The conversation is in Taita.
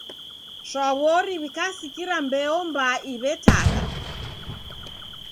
Shwa w'ori, w'ikasikira mbeo mbaa iw'etagha.